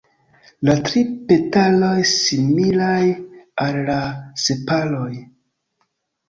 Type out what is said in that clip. La tri petaloj similaj al la sepaloj.